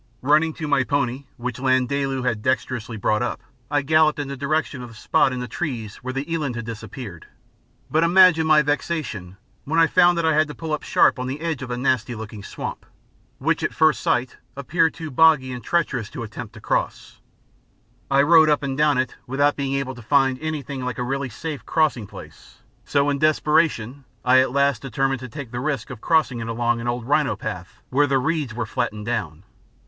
Running to my pony, which Landaalu had dexterously brought up, I galloped in the direction of the spot in the trees where the eland had disappeared; but imagine my vexation when I found that I had to pull up sharp on the edge of a nasty looking swamp, which at first sight appeared too boggy and treacherous to attempt to cross. I rode up and down it without being able to find anything like a really safe crossing place, so in desperation I at last determined to take the risk of crossing it along an old rhino path where the reeds were flattened down.